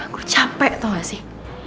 gue capek tau gak sih